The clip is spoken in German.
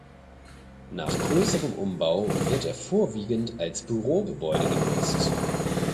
Nach größerem Umbau wird er vorwiegend als Bürogebäude genutzt.